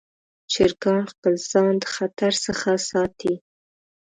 چرګان خپل ځان د خطر څخه ساتي.